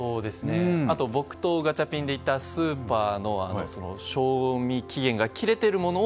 あとガチャピンで行ったスーパーの賞味期限が切れているもの